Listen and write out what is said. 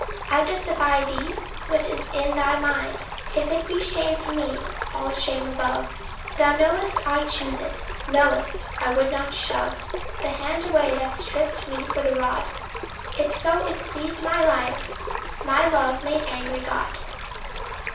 I justify thee: what is in thy mind, If it be shame to me, all shame above. Thou know'st I choose it know'st I would not shove The hand away that stripped me for the rod If so it pleased my Life, my love made angry God.